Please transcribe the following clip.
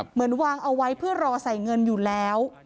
เหมือนวางเอาไว้เพื่อรอใส่เงินอยู่แล้ว